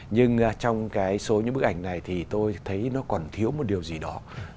nhưng trong cái số những bức ảnh này thì tôi thấy nó còn thiếu một điều gì đó